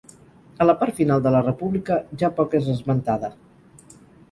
A la part final de la República ja poc és esmentada.